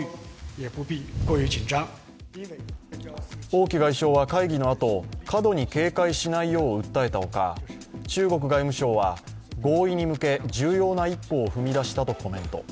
王毅外相は会議のあと、過度に警戒しないよう訴えたほか、中国外務省は合意に向け、重要な一歩を踏み出したとコメント。